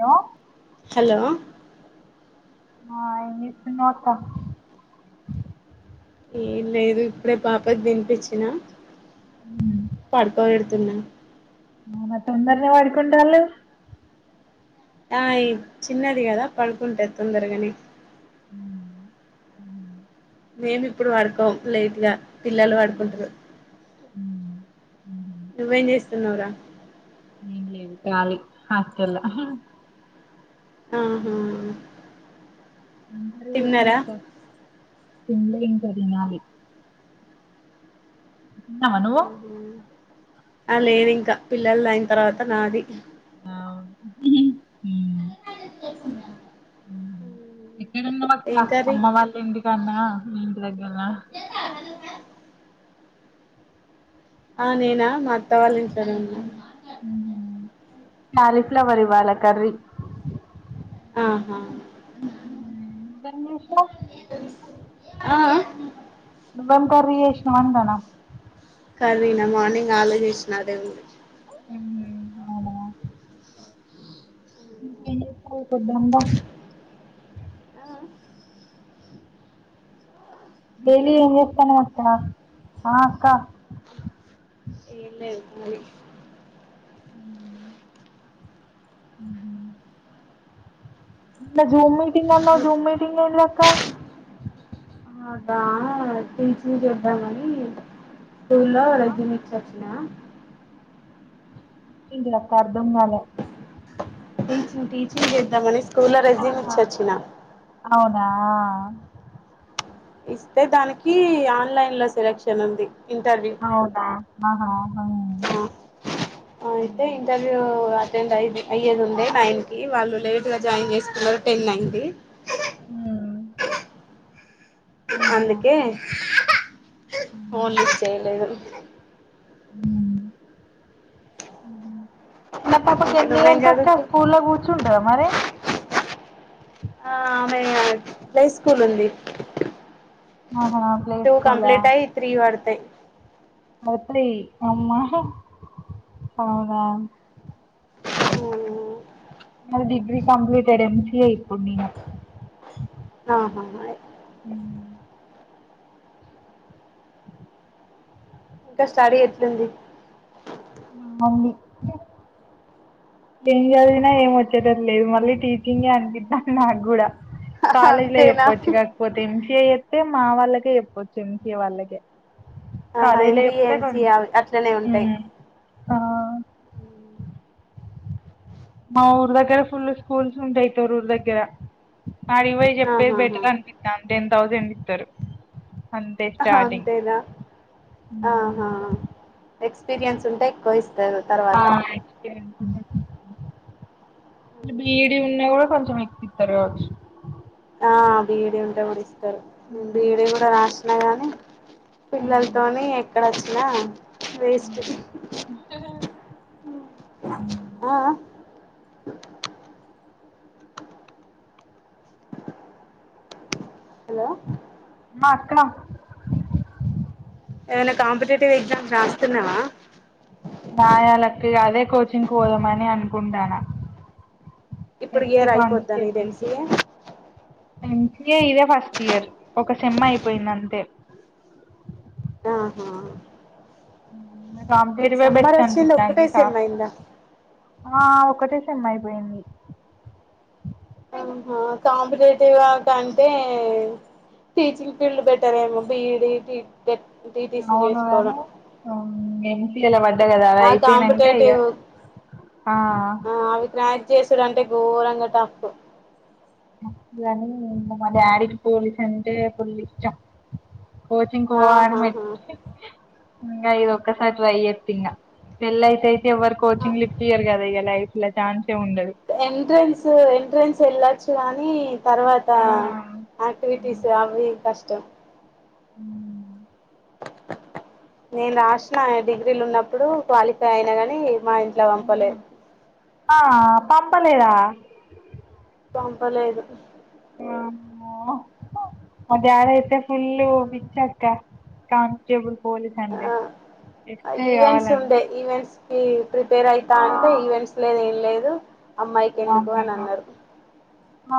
hello hello ఆ ఏం చేస్తున్నావ్ ఏ లేదు ఇప్పుడే పాపకు తినిపించినా పడుకోలేదు తున్నా అవున తొందరగా పడికుంటలు ఆ చిన్నది కదా పడుకుంటది తొందరగాని హ మేమి ఇప్పుడు వాడుకోం లేట్ గా పిల్లలు వడుకుంటరు నువ్వేం చేస్తున్నావరా ఏం లేదు ఖాలి హాస్టల్లో ఆహా ఏం కర్రీ చేసినవ్ తిన్నారా అక్క తిన్లే ఇంకా తినాలి వ నువు ఆహా ఆ లేదు ఇంకా పిల్లలది అయిన తర్వాత నాది ఆవును అన్నా ఇక్కడన్న పక్క ఏం కర్రీ అమ్మ వాళ్ళ ఇంటికన్నా మీ ఇంటి దగ్గరనా ఆ నేనా మా అత్త వాళ్ళ ఇంట్లో ఉన్నా క్యాలిఫ్లవర్ ఇవాల కర్రీ ఆహా ఇంకేం చేస్తవ్ ఆ ఆ కర్రీ చేసిన అంటన్న కర్రీనా మార్నింగ్ ఆలో చేశిన అదే ఉ ఉ అవున కొద్ద ఉంద డైలీ హలో ఏం చేస్తాన్నావు ఆ అక్క ఏ లేదు మడి ఇందాక జూమ్ మీటింగ్ అన్నావ్ జూమ్ మీటింగ్ ఎలక్క అదా టీచింగ్ చేద్దామని స్కూల్లో ఆ రెజన్ ఇచ్చచ్చ ఎలా ఇంటిది అక్క అర్ధం కాల టీచింగ్ చేద్దామని స్కూల్లో రెజీమ్ ఆహా ఇచ్చొచ్చిన ఆ ఇస్తే దానికి ఆన్లైన్లో సెలక్షన్ ఉంది ఇంటర్వ్యూ అవునా ఆహా హ అయితే ఇంటర్వ్యూ అయ్యేదు ఉంది నైన్ కి వాళ్ళు లేట్ గా జాయిన్ చేసుకున్నారు టెన్ అయింది ఉ అందుకే ఫోన్ మ్మ్ లిఫ్ చేయలేదు చిన్న పాపకి ఇంకా ఎన్ని నువ్వేం ఇయర్స్ అక్క చదువుతు స్కూల్లో కూర్చు ట మరి ఆ ఆమె ప్లే స్కూల్ ఉంది ఆహా ప్లే టూ స్కూలా కంప్లీట్ అయి త్రీ వడతయ్ పత్ర అమ్మ అవునా ఉహు నాది డిగ్రీ కంప్లీట్డ్ ఎంసిఏ ఇప్పుడు నేను ఆహా మ ఉ ఇంకా స్టడీ ఎట్లుంది మాంది ఏం చదివినా ఏం వచ్చేటట్టు లేదు మళ్ళీ టీచింగే అనిపిత్తాన్ నాకు గూడ కాలేజ్లే అంతేనా చెప్పవచ్చు కాకపోతే ఎంసిఏ చేతే మా వాళ్ళకే చెప్పవచ్చు ఎంసిఏ వాళ్ళకే ఆహా కాలేజ్ లో ఎంబిఏ చెప్తే ఎంసిఏ కొంచెం అట్లనే ఉంటాయి మా ఊరు దగ్గర ఫుల్ స్కూల్స్ ఉంటాయి తఊరు దగ్గర ఆడికి పోయ్ చెప్పే ఆహాహా బెటర్ అనిపిత్తాం టెన్ థౌసండ్ ఇత్తరు అంతే స్టార్టింగ్ అంతేదా ఆహా ఎక్స్పీరియన్స్ ఉంటే ఎక్కువ ఇస్ ఆ బీడి ఉన్నా కూడా కొంచెం ఎక్కిత్తరు కావచ్చు ఆ బీడి ఉంటే కూడా ఇస్తరు బీడ కూడా రాసిన గానీ పిల్లలతోని ఎక్కడ వచ్చినా వేస్ట్ ఆ హలో మాక్కడ ఏమైనా కాంపిటేటివ్ ఎగ్జామ్ రాస్తున్నావా రాయాలకి అదే కోచింగ్ పోదామని అనుకుంటాన ఇప్పుడు ఎస్సై ఇయర్ అయిపోద్దా నీది కాన్స్టేబుల్ కి ఎంసిఏ ఎంసిఏ ఇదే ఫస్ట్ ఇయర్ ఒక సెమ్ అయిపోయింది అంతే ఆహా జాబ్ నీకు చేయడమే సమ్మర్ బెస్ట్ వచ్చింది అనిపిత్తాంది ఒక్కటే సా సెమ్ అయిందా ఆ ఒకటే సెమ్ అయిపోయింది ఆహా కాంపిటేటివ్ కంటే టీచింగ్ ఫీల్డ్ బెటర్ ఏమో బిఈడికి అవును వేర ఎంసిఏల మ ఆ కాంపిటేటివ్ ఆ అవి చేసుడు అంటే ఘోరంగా తప్పు కాని మా డాడీకి పోలీస్ అంటే ఫుల్ ఇష్టం కోచింగ్ పోవడం ఆహాహా ఇంగ ఇది ఒక్కసారి ట్రై చెప్ ఇంగ పెళ్లి అయితే అయితే ఎవ్వరు కోచింగ్ లిప్ ఇయ్యరు కద నైలా చాన్ ఎంట్రెన్స్ ఎంట్రెన్స్ వెళ్ళొచ్చు కానీ తర్వాత ఆ ఆక్టివిటీస్ అవి ఇవి కష్టం హ నేను రాసిన డిగ్రీలు ఉన్నప్పుడు క్వాలిఫై అయిన గాని మా ఇంట్లో అవునా పంపలేదు మా ఆ పంపలేదా పంపలేదు మా డాడ్ అయితే ఫుల్ బిచ్చాక్క కాన్స్టేబుల్ పోలీస్ అంటే ఆ ఎస్సై ఈవెంట్స్ ఉండే ఈవెంట్స్ ప్రిపేర్ అయితా అంటే ఈవెంట్స్ లేదు ఏం లేదు అమ్మాయికి ఎందుకు వామ్మో అని అన్నారు ఆ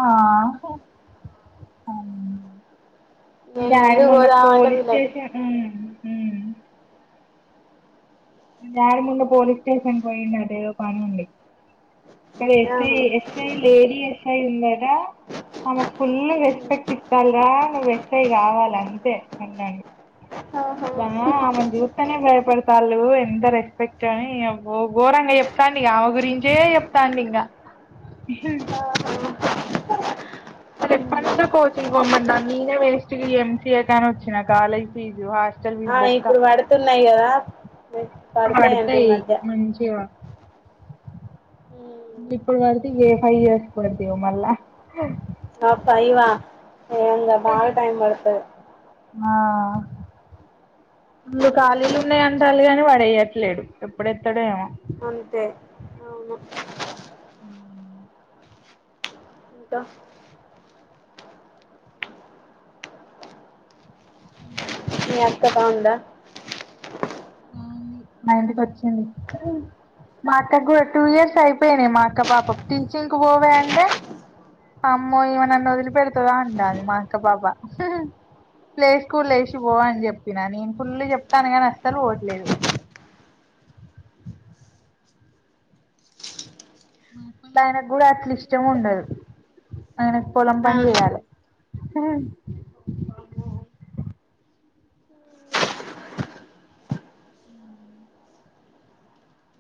నేను డాడీ ముందుకు మొన్న పోదామంటే పోలీస్ వీళ్ళకి స్టేషన్ ఉ ఉ మా డాడీ మొన్న పోలీస్ స్టేషన్ పోయిండు అట అదో పనుండి అక్కడ ఎస్ఐ ఎస్ఐ లేడీ ఎస్ఐ ఉందాటా ఆమెకు ఫుల్ రెస్పెక్ట్ ఇస్తాలరా నువ్వు ఎస్సై కావాలని ఆహా బా ఆమెను చూస్తనే భయపడుతు వాళ్ళ ఎంత రెస్పెక్ట్ అని ఘోరంగా చెప్తాండి ఆమె గురించే చెప్ తాండూ ఇగా హ ఇప్ప నుంచో కోచింగ్ పొమ్మట్ నేనే వేస్ట్ ఎంసీఏ కాని వచ్చినా కాలేజ్ ఫీజు హాస్టల్ ఫీజు ఆ బొక్క ఇప్పుడు పడుతున్నాయి కదా ఇప్పుడు పడతాయంట ఈ వాడతాయి మధ్య మంచింగా ఇప్పుడు పడితే ఫైవ్ ఇయర్స్ పడతాయో మళ్ళా ఆ ఫీవ్ వా ఏందో బాగా టైమ్ పడుతుది ఆ వాళ్ళు ఖాళీలు ఉన్నాయి అంటారు కానీ వాడు వయ్యట్లేడు ఎప్పుడెత్తడో ఏమో అంతే అవును ఇకా మీ అత్త బావుందా మా ఇంటికి వచ్చింది మా అక్కకు కూడా టూ ఇయర్స్ అయిపోయినాయి మా అక్క పాపకు టీచింగ్ కు పోవే అంటే అమ్మో ఈమె నన్ను వదిలిపెడుతదా ఉంటదీ మా అక్క పాప ప్లేస్కూల్ లో వేసి పో అని చెప్పిన నేను ఫుల్ చెప్తానుగా అసలు పోవట్లేదు ఇంట్లో ఆయనకు కూడా అట్ల ఇష్టం ఉండదు అయన కీ పొలం పని చెయాలే అహో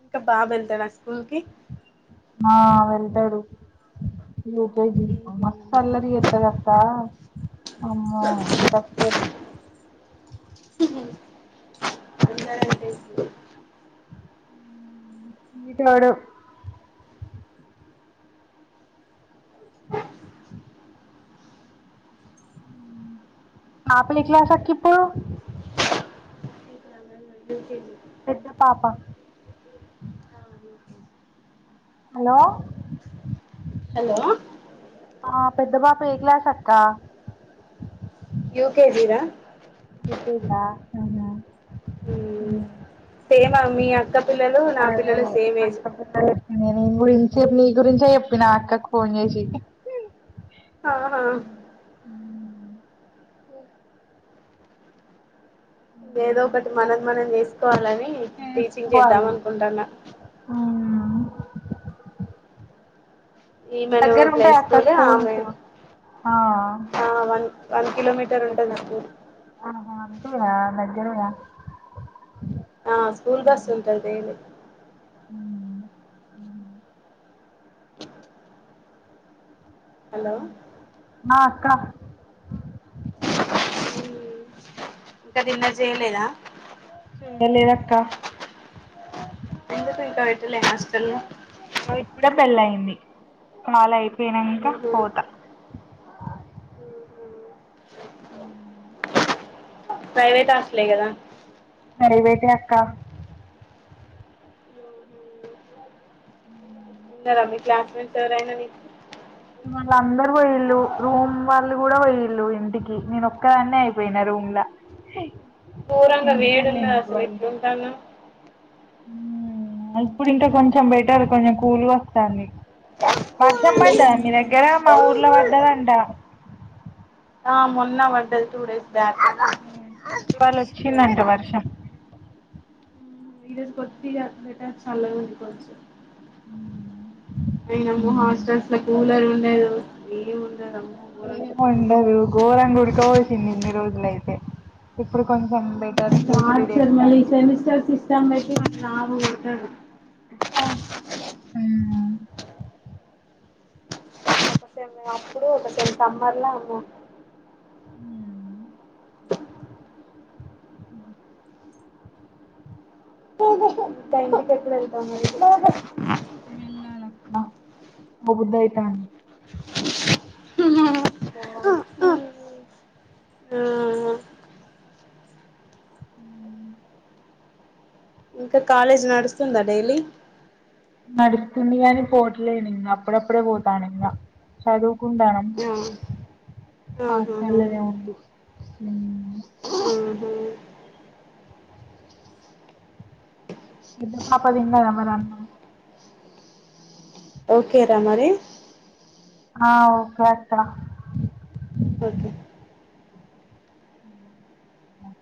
ఇంకా బాబు వెళ్తాడ ఆ స్కూల్ కి ఆ వెళ్తాడు ఇగ మస్ అల్లరి ఎత్తాడు అంట అమ్మో తట్టుకోలేం ఇటోడు పాపనే క్లాస్ అక్క ఇప్పుడు యూకేజీ పెద్ద పాప హలో హలో ఆ పెద్ద పాప ఏ క్లాస్ అక్క యూకేదీరా పజదా సేమ్ మీ అక్క పిల్లలు నా పిల్లలు సేమ్ ఏజ్ నేనీ గురించి నీ గురించే చెప్పినా అక్కకు ఫోన్ చేసి ఆ ఏదో ఒకటి మనది మనం చేసుకోవాలని టీచింగ్ చేద్దాం చేసుకోవాలి అనుకుంటాన్న ఈమను దగ్గర ప్లే ఉంటాయి అక్క స్కూల్ ఆమె స్కూల్స్ ఆ ఆ వన్ వన్ కిలోమీటర్ ఉంటది స్కూల్ అవున నజంగ ఆ స్కూల్ బస్ ఉంటది దేరు అ హలో ఆ అక్క ఇంకది ఇంద చేయలేదా చేయలేదక్క ఎందుకు ఇంకా విజిలు ఏసేస్తాను నువ్వు ఇప్పుడే పెళ్ళ అయింది వాళ్ళ అయిపోయినంక ఆహా పోతా ఉ ప్రైవేట్ హాస్టలే కదా ప్రైవేట్ అక్కా ఉ ఉన్నరా మీ క్లాస్మేట్స్ ఎవరైనా మీకు వాళ్ళ అందరు వోయిళ్ళు రూమ్ వాళ్ళు కూడా పోయిళ్ళు ఇంటికి నేను ఒక్కదాన్నే అయిపోయినా రూమ్లా హ కూరంగా వేడున్నా అసలు ఇప్పు ఉంటాన్న ఇప్పుడు ఇంకా కొంచెం బెటర్ కొంచెం కూల్ వస్తాంది వర్షం పడ్డ మీ దగ్గర మా ఊర్లో పడ్డదంట ఆ మొన్న పడ్డది టు డేస్ బ్యాక్ ఇవాళ వచ్చిందంట వర్షం ఈరోజు కొద్దిగ వెదర్ చల్లగ ఉంది కొంచం అయినము ఉహు హాస్టల్స్ లో కూలర్ ఉండదు ఏ ఉండదు అమ్మో ఘోరంగా ఉంటది ఇన్నిన్ని రోజులు అయితే ఇప్పుడు కొంచెం better two three days torture మళ్ళీ కాంచి సెమిస్టర్ సిస్టం పెట్టి లాభం ఆ ఒకసే మేము అప్పుడు ఒకసే సమ్మర్లా ఉన్నాం ఊ ఆ అ బయటికి ఎప్పుడు వెళ్తావ్ మరి వెళ్లాల అబ్బా సూడ బుద్ధి అయితాంది ఉ పోవాలి ఆ ఉ ఇంకా కాలేజ్ నడుస్తుందా డైలీ నడుస్తుంది కాని పోట్లేను ఇంగ అప్పుడప్పుడే పోతాను ఇంగ చదువుకుండాను అని ఆహా ఆ ఆహా చల్లదే అండి ఊమ్ పెద్ద పాప తిన్నదా మరి అన్నం ఓకే ర మరి ఆ ఓకే అత్త ఓకే ఊమ్ ఉ